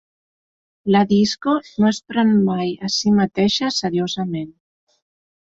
La disco no es pren mai a si mateixa seriosament.